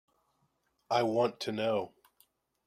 I want to know.